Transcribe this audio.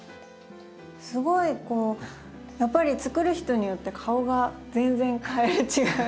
すごいこうやっぱり作る人によって顔が全然かえる違う。